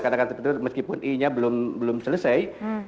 katakan seperti itu meskipun i nya belum selesai